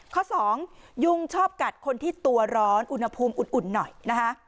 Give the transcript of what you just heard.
ข้อสองยุงชอบกัดคนที่ตัวร้อนอุณหภูมิอุ่นหน่อยนะคะ